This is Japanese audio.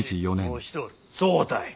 そうたい。